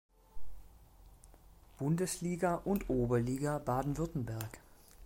Bundesliga und Oberliga Baden-Württemberg.